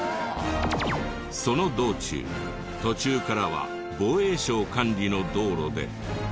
その道中途中からは防衛省管理の道路で。